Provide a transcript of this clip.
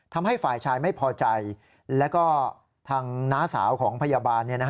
ทำให้ฝ่ายชายไม่พอใจแล้วก็ทางน้าสาวของพยาบาล